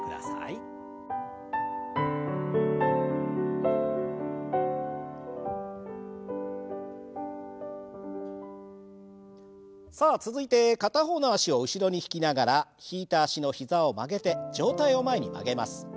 さあ続いて片方の脚を後ろに引きながら引いた脚の膝を曲げて上体を前に曲げます。